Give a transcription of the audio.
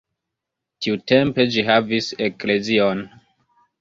Tiutempe ĝi havis eklezion.